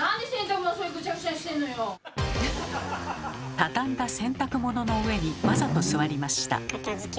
畳んだ洗濯物の上にわざと座りました。